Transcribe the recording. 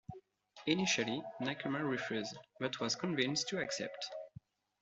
Initially, Nakamura refused, but was convinced to accept.